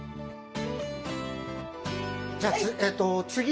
じゃあえっとつぎ！